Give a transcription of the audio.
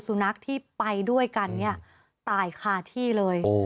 สุนัขที่ไปด้วยกันเนี่ยตายคาที่เลย